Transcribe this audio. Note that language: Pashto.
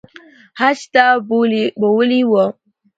حج ته بوولي وو